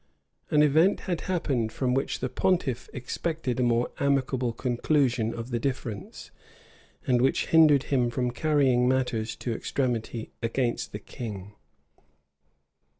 [*] An event had happened from which the pontiff expected a more amicable conclusion of the difference, and which hindered him from carrying matters to extremity against the king.